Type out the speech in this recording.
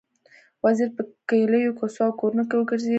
وزیر په کلیو، کوڅو او کورونو کې وګرځېد.